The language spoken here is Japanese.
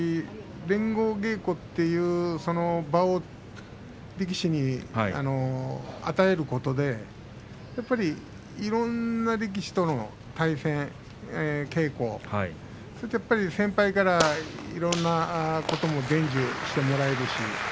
連合稽古という場を力士に与えることでやっぱりいろんな力士との対戦、稽古それでやっぱり先輩からいろんなことも伝授してもらえるし